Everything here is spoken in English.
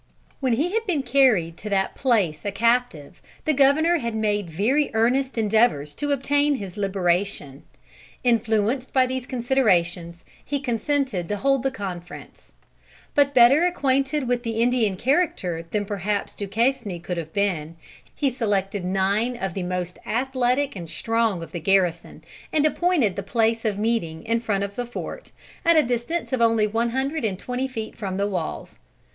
When he had been carried to that place a captive, the Governor had made very earnest endeavors to obtain his liberation. Influenced by these considerations, he consented to hold the conference. But, better acquainted with the Indian character than perhaps Duquesne could have been, he selected nine of the most athletic and strong of the garrison, and appointed the place of meeting in front of the fort, at a distance of only one hundred and twenty feet from the walls.